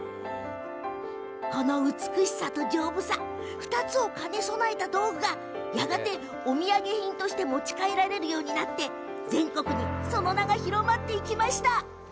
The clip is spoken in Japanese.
美しさと丈夫さ２つを兼ね備えた道具がやがてお土産品として持ち帰られるようになって全国にその名が広まりました。